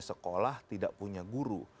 sekolah tidak punya guru